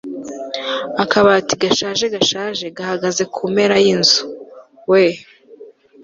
akabati gashaje gashaje gahagaze kumpera yinzu. we